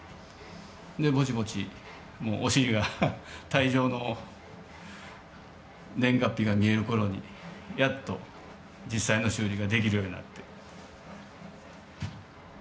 でぼちぼちお尻が退場の年月日が見える頃にやっと実際の修理ができるようになって。